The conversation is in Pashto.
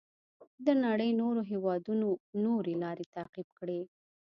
د نړۍ نورو هېوادونو نورې لارې تعقیب کړې.